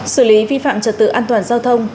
xử lý vi phạm trật tự an toàn giao thông